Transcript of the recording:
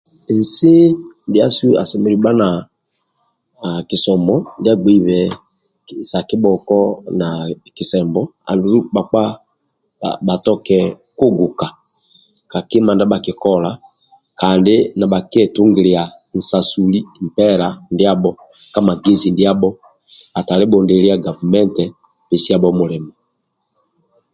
Nsi ndiasu asemelelu bha na kisomo ndia agbeibe sa kibhoko na kisembo andulu bhakpa bhatoke kuguka ka kima ndibhakikola kandi nibhakietungilia nsasuli mpela ndiabho ka magezi ndiabho atali bhundilia gavumenti pesiabho mulimo.